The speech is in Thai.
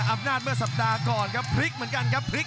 อำนาจเมื่อสัปดาห์ก่อนครับพลิกเหมือนกันครับพลิก